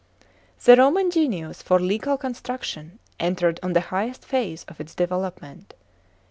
The Roman genius for legal construc tion entered on the highest phase of its development.